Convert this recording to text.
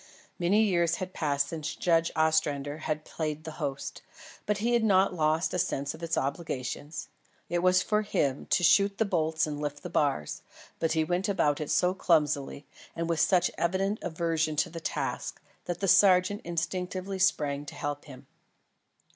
Many years had passed since Judge Ostrander had played the host; but he had not lost a sense of its obligations. It was for him to shoot the bolts and lift the bars; but he went about it so clumsily and with such evident aversion to the task, that the sergeant instinctively sprang to help him.